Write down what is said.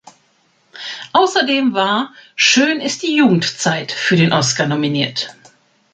Außerdem war "Schön ist die Jugendzeit" für den Oscar nominiert.